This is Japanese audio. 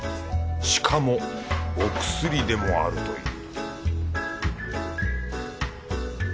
しかもお薬でもあるという